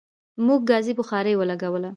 موږ ګازی بخاری ولګوله